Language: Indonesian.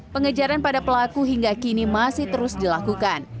pengejaran pada pelaku hingga kini masih terus dilakukan